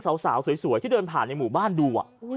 ชาวบ้านญาติโปรดแค้นไปดูภาพบรรยากาศขณะ